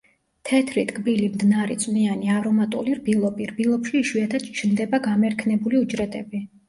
თეთრი, ტკბილი, მდნარი, წვნიანი, არომატული რბილობი, რბილობში იშვიათად ჩნდება გამერქნებული უჯრედები.